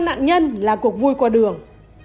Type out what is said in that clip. coi nạn nhân là cuộc vui qua đường